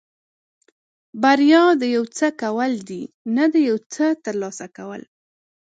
بریا د یو څه کول دي نه د یو څه ترلاسه کول.